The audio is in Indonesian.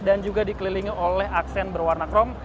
dan juga dikelilingi oleh aksen berwarna chrome